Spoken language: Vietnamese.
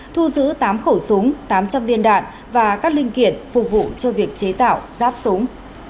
thu giữ tám khẩu súng tám trăm linh viên đạn và các linh kiện phục vụ cho việc chế tạo ráp súng